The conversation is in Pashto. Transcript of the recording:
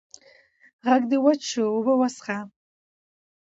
غږ دې وچ شو اوبه وڅښه!